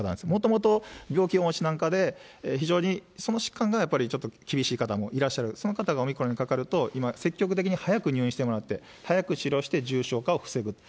もともと病気をお持ちなんかで、非常にその疾患がやっぱりちょっと厳しい方もいらっしゃる、その方がオミクロンにかかると、今、積極的に早く入院してもらって、早く治療して重症化を防ぐ。